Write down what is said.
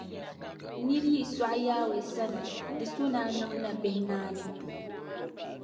Nir’ yi sɔɣi Yawɛ sani, di so ni a niŋ nabihi naani.